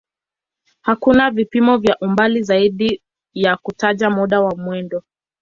Hakuna vipimo vya umbali zaidi ya kutaja muda wa mwendo.